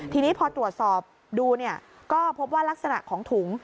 ทีนี้พอตรวจสอบดูก็พบว่ารักษณะของถุง